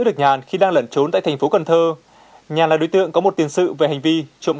được nhàn khi đang lẩn trốn tại thành phố cần thơ nhàn là đối tượng có một tiền sự về hành vi trộm